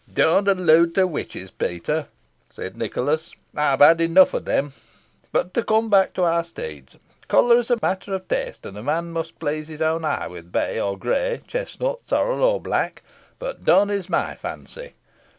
"Don't allude to witches, Peter," said Nicholas. "I've had enough of them. But to come back to our steeds. Colour is matter of taste, and a man must please his own eye with bay or grey, chestnut, sorrel, or black; but dun is my fancy.